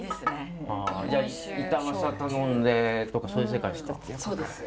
じゃあ板わさ頼んでとかそういう世界ですか？